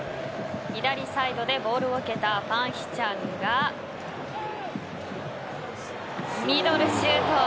左サイドでボールを受けたファン・ヒチャンがミドルシュート。